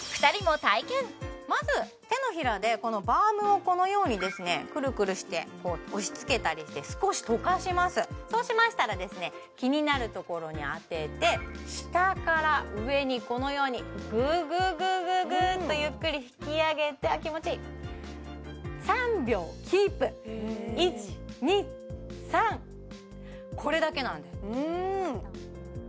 まず手のひらでこのバームをこのようにですねくるくるして押しつけたりして少し溶かしますそうしましたら気になるところに当てて下から上にこのようにググググーッとゆっくり引き上げてあっ気持ちいい３秒キープ１・２・３これだけなんです